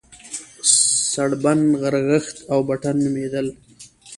سړبن، غرغښت او بټن نومېدل.